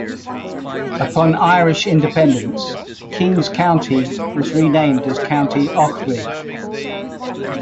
Upon Irish independence King's County was renamed as County Offaly.